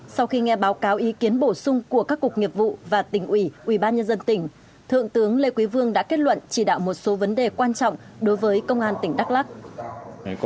sau khi nghe báo cáo ý kiến bổ sung của các cục nghiệp vụ và tỉnh ủy ubnd tỉnh thượng tướng lê quý vương đã kết luận chỉ đạo một số vấn đề quan trọng đối với công an tỉnh đắk lắc